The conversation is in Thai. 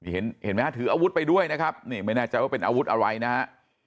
เห็นไหมฮะถืออาวุธไปด้วยนะครับนี่ไม่แน่ใจว่าเป็นอาวุธอะไรนะฮะ